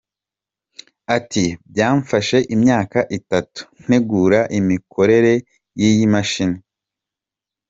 Ati “Byamfashe imyaka itatu ntegura imikorere y’iyi mashini.